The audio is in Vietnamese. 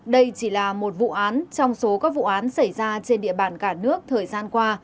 đây chỉ là một vụ án trong số các vụ án xảy ra trên địa bàn cả nước thời gian qua